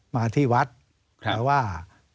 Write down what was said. มาที่วัดแต่ว่า